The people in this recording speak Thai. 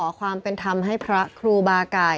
ความเป็นธรรมให้พระครูบาไก่